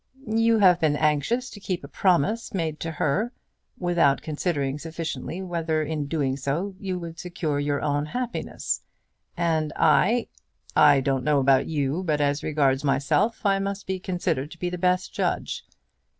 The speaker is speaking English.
"You have been anxious to keep a promise made to her, without considering sufficiently whether in doing so you would secure your own happiness; and I " "I don't know about you, but as regards myself I must be considered to be the best judge."